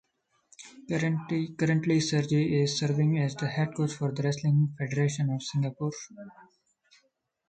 Currently, Sergei is serving as the head coach for the Wrestling Federation of Singapore.